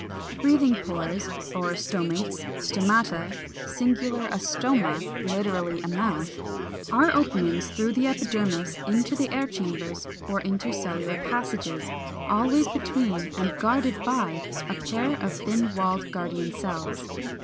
] 443. =Breathing pores, or Stomates, Stomata= (singular, a Stoma, literally, a mouth) are openings through the epidermis into the air chambers or intercellular passages, always between and guarded by a pair of thin walled guardian cells.